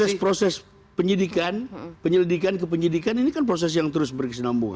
proses proses penyelidikan penyelidikan kepenyelidikan ini kan proses yang terus berkesenambungan